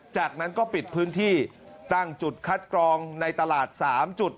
จากนั้นก็ปิดพื้นที่ตั้งจุดคัดกรองในตลาด๓จุด